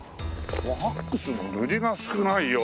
ワックスの塗りが少ないよ。